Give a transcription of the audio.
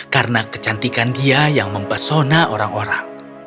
karena kecantikan dia yang mempesona orang orang